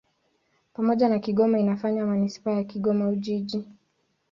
Pamoja na Kigoma inafanya manisipaa ya Kigoma-Ujiji.